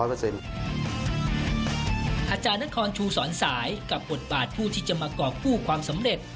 อาจารย์นครชูสอนสายกับบทบาทผู้ที่จะมากรอกกู้ความสำเร็จ